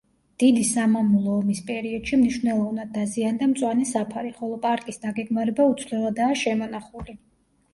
დიდი სამამულო ომის პერიოდში მნიშვნელოვნად დაზიანდა მწვანე საფარი, ხოლო პარკის დაგეგმარება უცვლელადაა შემონახული.